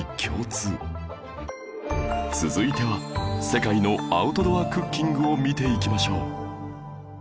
続いては世界のアウトドアクッキングを見ていきましょう